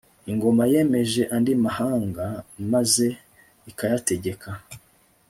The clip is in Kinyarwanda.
ingoma yemeje andi mahanga maze ikayategeka